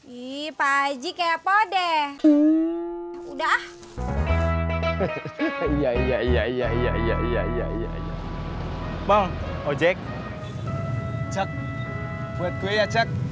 gittaji kepo deh udah brah masya allah rodzek cek buat gue cek